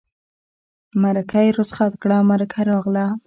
مرکه یې رخصت کړه مرکه راغله.